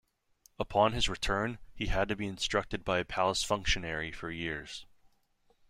Upon his return, he had to be instructed by a palace functionary for years.